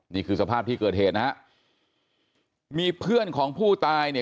นี่คือสภาพที่เกิดเหตุนะฮะมีเพื่อนของผู้ตายเนี่ย